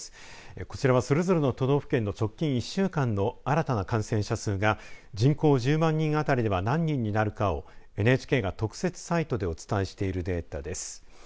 こちらはそれぞれの都道府県の直近１週間の新たな感染者数が人口１０万人当たりでは何人になるかをＮＨＫが特設サイトでお伝えしているデータです。